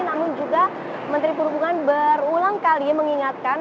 namun juga menteri perhubungan berulang kali mengingatkan